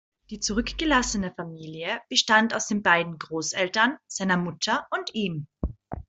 Die zurückgelassene Familie bestand aus den beiden Großeltern, seiner Mutter und ihm.